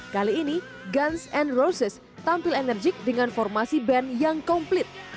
kali ini guns and roses tampil enerjik dengan formasi band yang komplit